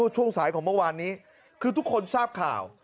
ช่วงสายของเมื่อวานนี้คือทุกคนทราบข่าว